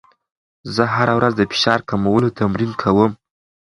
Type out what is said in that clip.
زه هره ورځ د فشار کمولو تمرین کوم.